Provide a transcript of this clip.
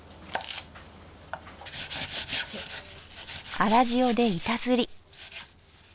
粗塩で板ずり。